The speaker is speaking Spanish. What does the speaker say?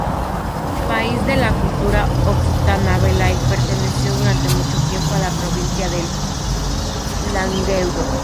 País de cultura occitana, Velay perteneció, durante mucho tiempo, a la provincia del Languedoc.